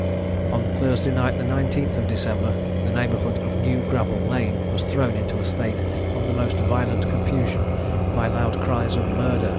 On Thursday night, the 19th of December, the neighbourhood of New Gravel lane was thrown into a state of the most violent confusion by loud cries of "Murder!"